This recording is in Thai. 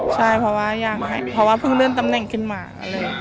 ใช่เพราะว่าอยากให้เพราะว่าเพิ่งเลื่อนตำแหน่งขึ้นมา